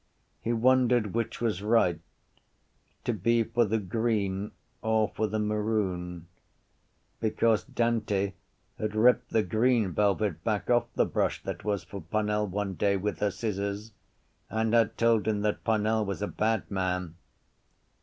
He wondered which was right, to be for the green or for the maroon, because Dante had ripped the green velvet back off the brush that was for Parnell one day with her scissors and had told him that Parnell was a bad man.